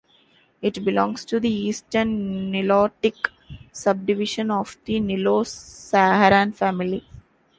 It belongs to the Eastern Nilotic subdivision of the Nilo-Saharan family.